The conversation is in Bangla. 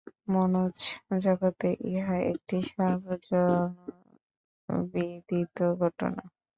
মনোজগতে ইহা একটি সর্বজনবিদিত ঘটনা।